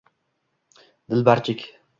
— Dilbarchik.